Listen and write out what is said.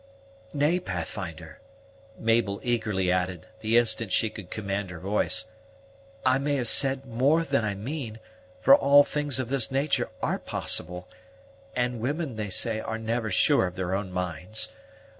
"Nay, Pathfinder," Mabel eagerly added, the instant she could command her voice, "I may have said more than I mean; for all things of this nature are possible, and women, they say, are never sure of their own minds.